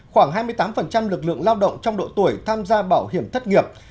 khoảng hai mươi tám lực lượng lao động trong độ tuổi tham gia bảo hiểm thất nghiệp